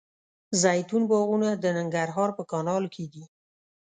زیتون باغونه د ننګرهار په کانال کې دي.